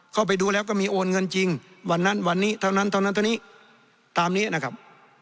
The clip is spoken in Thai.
เข้าไปดูแล้วก็มีโอนเงินจริงวันนั้นวันนี้เท่านั้นเท่านั้นเท่านี้ตามนี้นะครับ